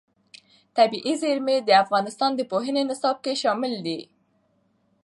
طبیعي زیرمې د افغانستان د پوهنې نصاب کې شامل دي.